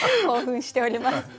興奮しております。